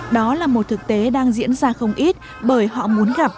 đó là một thực tế đang diễn ra không ít bởi họ muốn gặp